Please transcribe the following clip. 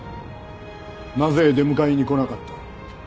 なぜ出迎えに来なかった？